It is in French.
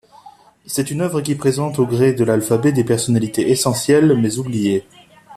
C'est une œuvre qui présente au gré de l'alphabet des personnalités essentielles mais oubliées.